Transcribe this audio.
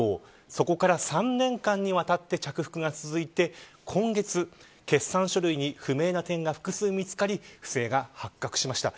そこから３年間にわたって着服が続いて、今月決算書類に不明な点が複数見つかり不正が発覚しました。